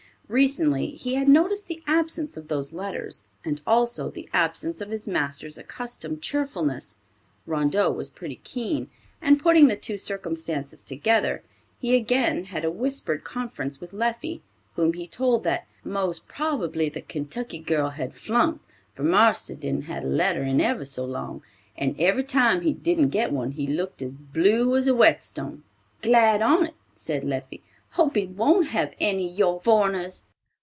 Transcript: Recently he had noticed the absence of those letters, and also the absence of his master's accustomed cheerfulness. Rondeau was pretty keen, and putting the two circumstances together, he again had a whispered conference with Leffie, whom he told that "most probably the Kentucky girl had flunked, for marster hadn't had a letter in ever so long, and every time he didn't get one he looked as blue as a whetstone!" "Glad on't," said Leffie. "Hope he won't have any your foreigners.